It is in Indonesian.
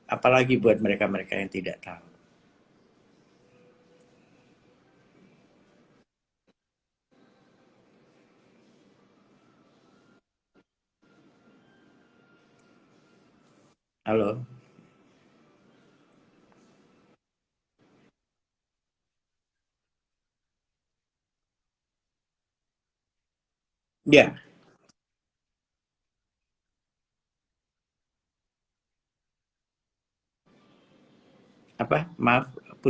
apalagi buat mereka mereka yang tidak tahu